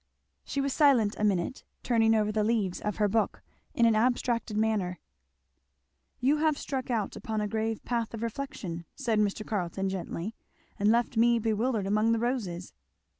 She was silent a minute, turning over the leaves of her book in an abstracted manner. "You have struck out upon a grave path of reflection," said Mr. Carleton gently, "and left me bewildered among the roses."